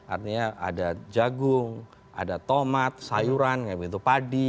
artinya ada jagung ada tomat sayuran itu padi